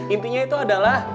intinya itu adalah